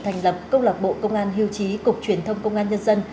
thành lập công lạc bộ công an hiêu trí cục truyền thông công an nhân dân